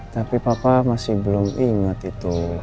tapi papa masih belum ingat itu